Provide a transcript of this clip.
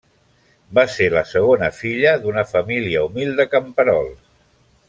Va ser la segona filla d'una família humil de camperols.